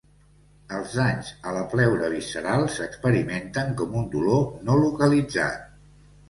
Els danys a la pleura visceral s'experimenten com un dolor no localitzat.